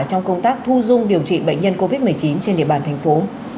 trong công tác thu dung điều trị bệnh nhân covid một mươi chín trên địa bàn thành phố